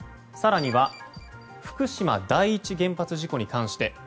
更には福島第一原発事故に関して。